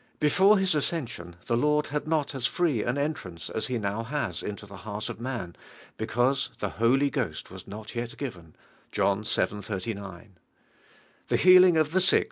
Before lli ^ ascension the T.<ird had uot us free an entrance as He now has inle (he heart of man, b ec&ttse "the Holy Ghost was notyet given" (John vii. 39). The healing of the sick wa.